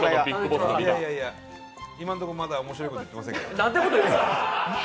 今のところまだ面白いこと言ってませんから。